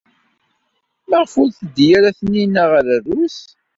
Maɣef ur teddi ara Taninna ɣer Rrus?